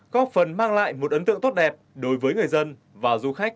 góp phần mang lại một ấn tượng tốt đẹp đối với người dân và du khách